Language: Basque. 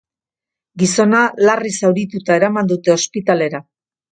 Gizona larri zaurituta eraman dute ospitalera.